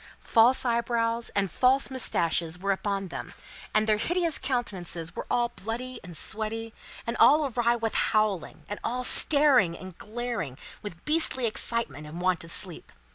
False eyebrows and false moustaches were stuck upon them, and their hideous countenances were all bloody and sweaty, and all awry with howling, and all staring and glaring with beastly excitement and want of sleep.